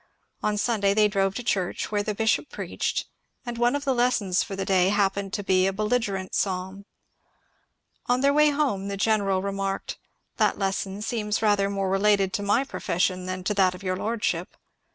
On Sunday they drove to church, where the bishop preached, and one of the lessons for the day happened to be a belligerent psalm. On their way home the general remarked, ^^ That lesson seems rather more related to my profession than to that of your lordship."